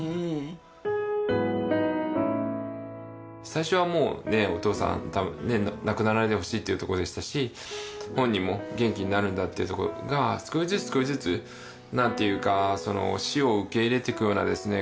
最初はもうねお父さん亡くならないでほしいっていうとこでしたし本人も元気になるんだというところが少しずつ少しずつなんていうか死を受け入れていくようなですね